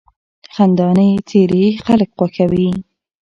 خندانې څېرې خلک خوښوي.